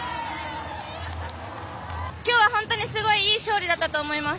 きょうは本当にすごいいい勝利だったと思います。